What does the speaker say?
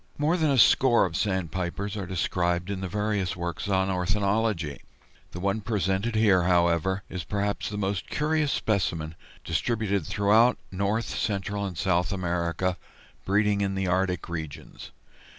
More than a score of Sandpipers are described in the various works on ornithology. The one presented here, however, is perhaps the most curious specimen, distributed throughout North, Central, and South America, breeding in the Arctic regions.